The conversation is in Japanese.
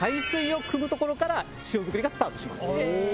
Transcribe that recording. ところから塩作りがスタートします。